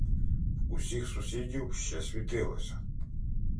В усіх сусідів ще світилося.